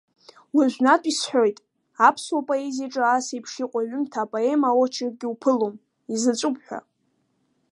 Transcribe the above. Уажәнатә исҳәоит, аԥсуа поезиаҿы ас еиԥш иҟоу аҩымҭа апоема-очерк иуԥылом, изаҵәуп ҳәа.